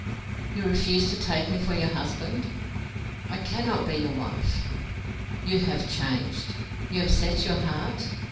"You refuse to take me for your husband?" "I cannot be your wife." "You have changed? ... you have set your heart?